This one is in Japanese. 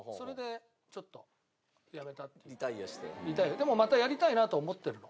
でもまたやりたいなと思ってるの。